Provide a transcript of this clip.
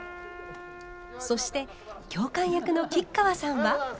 そして教官役の吉川さんは。